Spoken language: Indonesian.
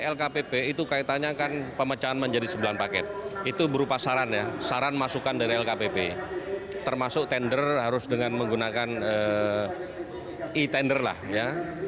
lkpp itu kaitannya kan pemecahan menjadi sembilan paket itu berupa saran ya saran masukan dari lkpp termasuk tender harus dengan menggunakan e tender lah ya